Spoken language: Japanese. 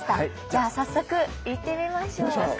じゃあ早速行ってみましょう！